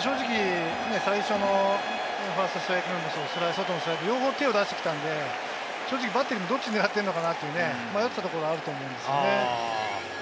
正直、最初のファーストストライク目も外のストライクも両方、手を出してきたので、バッテリーがどちらを狙っているか迷っていたところだと思いますね。